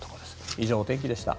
以上、お天気でした。